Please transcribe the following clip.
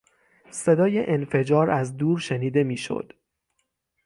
صدای انفجار از دور شنیده میشد.